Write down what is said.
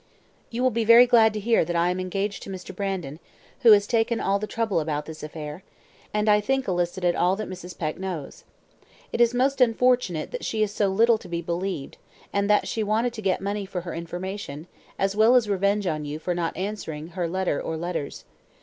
"You will be very glad to hear that I am engaged to Mr. Brandon, who has taken all the trouble about this affair, and I think elicited all that Mrs. Peck knows. It is most unfortunate that she is so little to be believed, and that she wanted to get money for her information, as well as revenge on you for not answering her letter or letters.